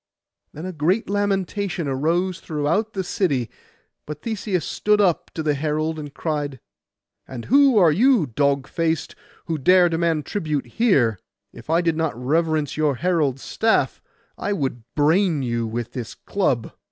Then a great lamentation arose throughout the city. But Theseus stood up to the herald, and cried— 'And who are you, dog faced, who dare demand tribute here? If I did not reverence your herald's staff, I would brain you with this club.